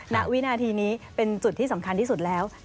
ณวินาทีนี้เป็นจุดที่สำคัญที่สุดแล้ว